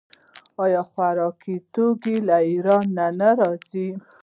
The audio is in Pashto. آیا خوراکي توکي له ایران نه راځي؟